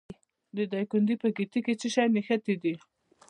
د دایکنډي په ګیتي کې د څه شي نښې دي؟